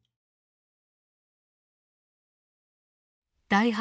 第８